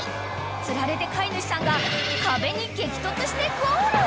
［釣られて飼い主さんが壁に激突してゴール］